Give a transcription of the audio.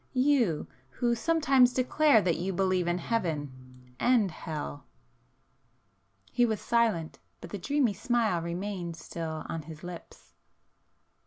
—you, who sometimes declare that you believe in Heaven,—and Hell?" He was silent, but the dreamy smile remained still on his lips.